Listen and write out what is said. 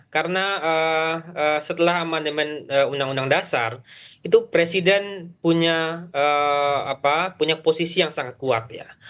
karena setelah amandemen undang undang dasar itu presiden punya posisi yang sangat kuat ya